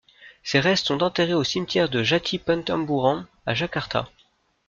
Ses restes sont enterrés au cimetière de Jati Petamburan à Jakarta.